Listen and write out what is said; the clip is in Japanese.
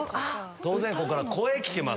当然、ここから声、聞けます。